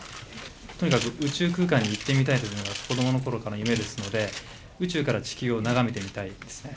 とにかく宇宙空間に行ってみたいというのが子どもの頃から夢ですので宇宙から地球を眺めてみたいですね。